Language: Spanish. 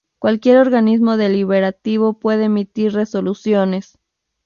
Cualquier organismo deliberativo puede emitir resoluciones.